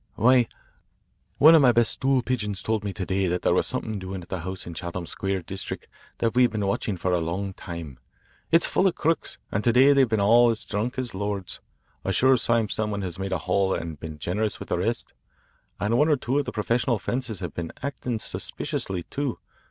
"Why, one of my best stool pigeons told me to day that there was something doing at a house in the Chatham Square district that we have been watching for a long time. It's full of crooks, and to day they've all been as drunk as lords, a sure sign some one has made a haul and been generous with the rest. And one or two of the professional 'fences' have been acting suspiciously, too.